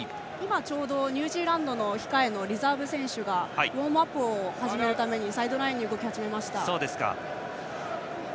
今、ニュージーランドの控えのリザーブ選手がウォームアップを始めるためにサイドラインに動き始めました。